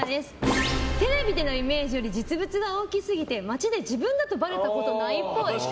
テレビでのイメージより実物が大きすぎて街で自分だとばれたことないっぽい。